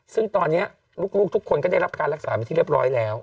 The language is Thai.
ซึ่งตอนนี้ลูกทุกคนก็ได้รับการรักษามาที่เรียบร้อยแล้ว